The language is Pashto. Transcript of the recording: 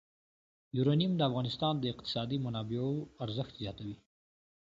یورانیم د افغانستان د اقتصادي منابعو ارزښت زیاتوي.